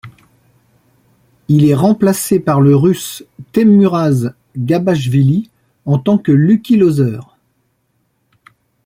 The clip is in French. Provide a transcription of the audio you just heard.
Il est remplacé par le russe Teymuraz Gabashvili en tant que Lucky loser.